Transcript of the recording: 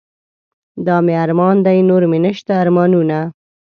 دا مې ارمان دے نور مې نشته ارمانونه